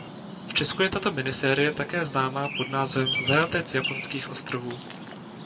V Česku je tato minisérie také známá pod názvem "Zajatec japonských ostrovů".